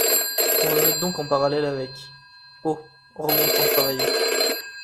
Qu’on me mette donc en parallèle avec… oh ! remontant travailler.